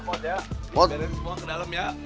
beres semua ke dalam ya